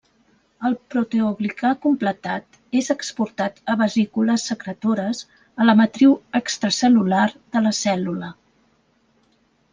El proteoglicà completat és exportat a vesícules secretores a la matriu extracel·lular de la cèl·lula.